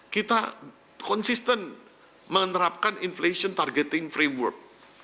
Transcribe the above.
kita konsisten menerapkan inflation targeting framework